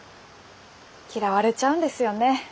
嫌われちゃうんですよね